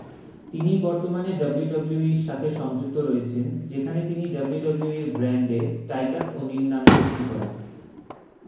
তিনি বর্তমানে ডাব্লিউডাব্লিউইর সাথে সংযুক্ত রয়েছেন, যেখানে তিনি ডাব্লিউডাব্লিউই র ব্র্যান্ডে টাইটাস ও'নিল নামে কুস্তি করেন।